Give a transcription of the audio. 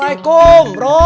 iya bu guru